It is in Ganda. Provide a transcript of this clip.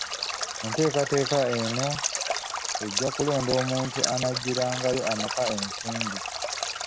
Entekateka eno ejja kulonda omuntu anaggyirangayo amaka ensimbi .